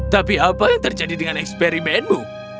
tapi apa yang terjadi dengan eksperimenmu